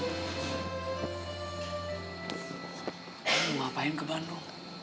kamu ngapain ke bandung